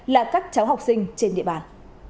là các cháu học sinh trên địa bàn